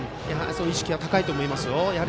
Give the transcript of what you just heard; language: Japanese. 意識は高いと思います。